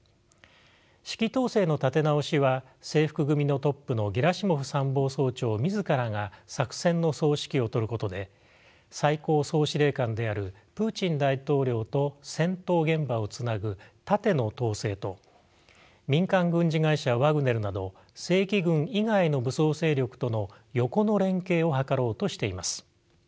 指揮統制の立て直しは制服組のトップのゲラシモフ参謀総長自らが作戦の総指揮を執ることで最高総司令官であるプーチン大統領と戦闘現場をつなぐ縦の統制と民間軍事会社ワグネルなど正規軍以外の武装勢力との横の連携を図ろうとしています。